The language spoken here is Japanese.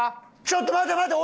ちょっと待て待て！